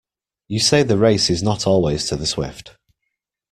You say the race is not always to the swift.